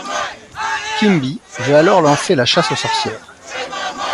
Quimby veut alors lancer la chasse aux sorcières.